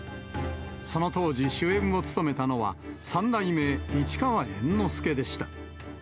その当時、主演を勤めたのは、三代目市川猿之助でした。